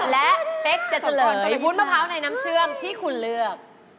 และเป๊กจะเฉลยวุ้นมะพร้าวในน้ำเชื่อมที่คุณเลือก